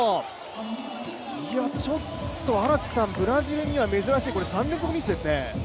ちょっと荒木さん、ブラジルには珍しいミスですね。